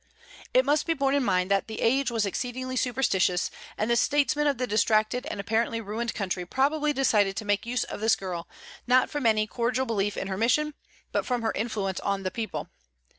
It must be borne in mind that the age was exceedingly superstitious, and the statesmen of the distracted and apparently ruined country probably decided to make use of this girl, not from any cordial belief in her mission, but from her influence on the people.